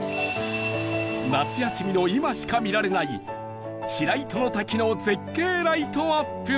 夏休みの今しか見られない白糸の滝の絶景ライトアップと